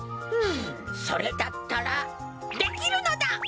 それだったらできるのだ！